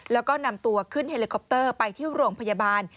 แล้วก็นำตัวขึ้นเฮลิคอปเตอร์ไปที่โรงพยาบาล